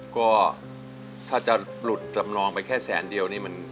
ก็ถ้าจะหลุดจำนองไปแค่แสนเดียวนี่มัน